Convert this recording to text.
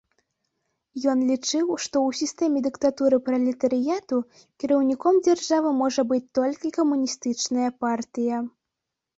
Ён лічыў, што ў сістэме дыктатуры пралетарыяту кіраўніком дзяржавы можа быць толькі камуністычная партыя.